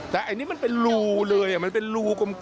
แต่นี่มันเป็นหรูเลยเป็นหรูกลม